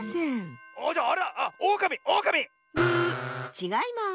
ちがいます。